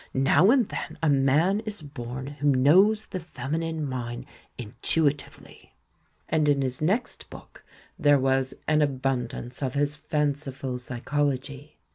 "Xow and then a man is born who knows the feminine mind intuitively." And in his next book there was an abundance of his fanciful psychology.